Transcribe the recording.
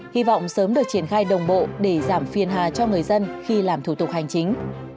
hy vọng sớm được triển khai đồng bộ để giảm phiền hà cho người dân khi làm thủ tục hành chính